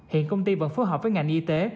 hiện công ty vẫn phối hợp với ngành y tế